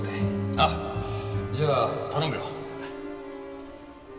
ああじゃあ頼むよ。